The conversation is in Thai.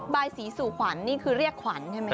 ยศรีสู่ขวัญนี่คือเรียกขวัญใช่ไหมค